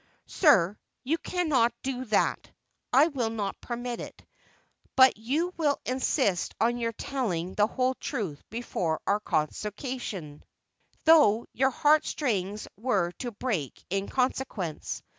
"Sir, you cannot do that. I will not permit it, but will insist on your telling the whole truth before our Consociation, though your heart strings were to break in consequence.